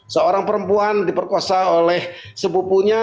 seorang perempuan diperkosa oleh sepupunya